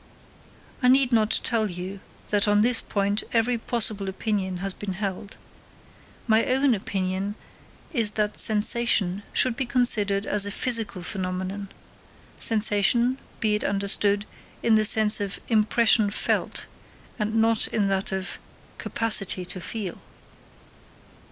I need not tell you that on this point every possible opinion has been held. My own opinion is that sensation should be considered as a physical phenomenon; sensation, be it understood, in the sense of impression felt, and not in that of capacity to feel.